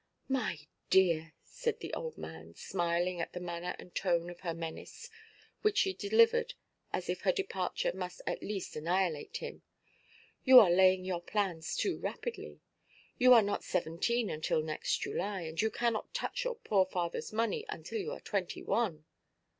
"My dear," said the old man, smiling at the manner and tone of her menace, which she delivered as if her departure must at least annihilate him, "you are laying your plans too rapidly. You are not seventeen until next July; and you cannot touch your poor fatherʼs money until you are twenty–one."